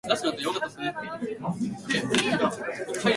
私は車から眺める富士山が好きだ。